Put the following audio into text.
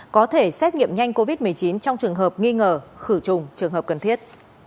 có thể xét nghiệm nhanh covid một mươi chín trong trường hợp nghi ngờ khử trùng trường hợp cần thiết